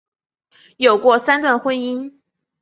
有过三段婚姻。